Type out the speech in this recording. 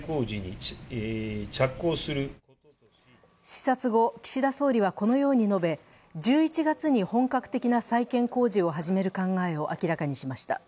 視察後、岸田総理はこのように述べ、１１月に本格的な再建工事を始める考えを明らかにしました。